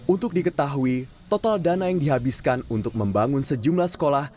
untuk diketahui total dana yang dihabiskan untuk membangun sejumlah sekolah